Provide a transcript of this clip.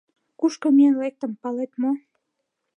Кушко миен лектым, палет мо?